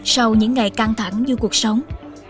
sau những ngày căng thẳng như cuộc sống